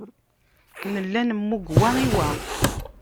Nella nemmug wa i wa.